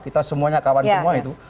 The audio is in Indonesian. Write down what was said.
kita semuanya kawan semua itu